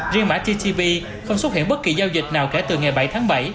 riêng mã ttv không xuất hiện bất kỳ giao dịch nào kể từ ngày bảy tháng bảy